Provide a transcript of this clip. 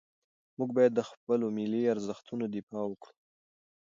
موږ باید د خپلو ملي ارزښتونو دفاع وکړو.